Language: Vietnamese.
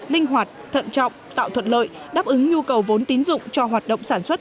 linh hoạt thận trọng tạo thuận lợi đáp ứng nhu cầu vốn tín dụng cho hoạt động sản xuất